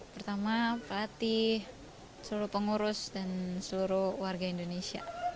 pertama pelatih seluruh pengurus dan seluruh warga indonesia